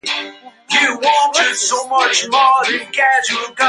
Laurent Schwartz's theory of distributions.